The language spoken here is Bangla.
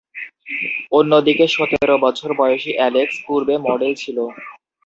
অন্যদিকে সতের বছর বয়সী অ্যালেক্স পূর্বে মডেল ছিল।